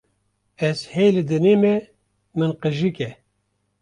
Ez hê li dinê me min qijikê